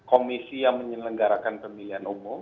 komisi yang menyelenggarakan pemilihan umum